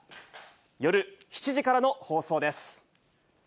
夜７時からの放送です。